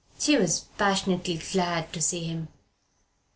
She was passionately glad to see him.